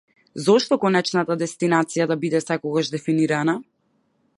Зошто конечната дестинација да биде секогаш дефинирана?